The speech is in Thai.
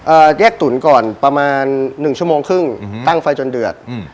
แยกตุ๋นก่อนประมาณหนึ่งชั่วโมงครึ่งอืมตั้งไฟจนเดือดอืม